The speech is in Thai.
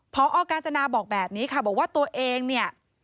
พอกาญจนาบอกแบบนี้ค่ะบอกว่าตัวเองเนี่ย